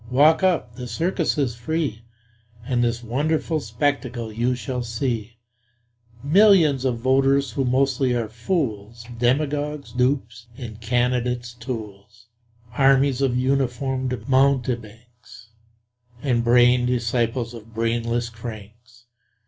walk up! the circus is free, And this wonderful spectacle you shall see: Millions of voters who mostly are fools Demagogues' dupes and candidates' tools, Armies of uniformed mountebanks, And braying disciples of brainless cranks.